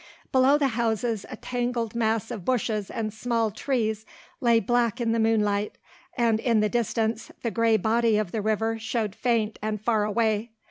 Below the houses a tangled mass of bushes and small trees lay black in the moonlight, and in the distance the grey body of the river showed faint and far away.